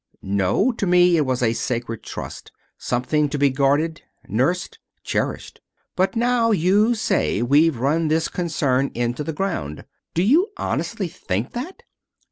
"No. To me it was a sacred trust something to be guarded, nursed, cherished. And now you say we've run this concern into the ground. Do you honestly think that?"